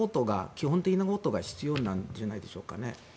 基本的なことが必要じゃないでしょうか。